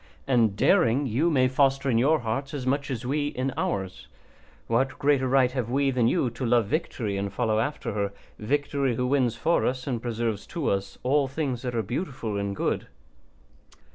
And daring you may foster in your hearts as much as we in ours. What greater right have we than you to love victory and follow after her, victory who wins for us and preserves to us all things that are beautiful and good?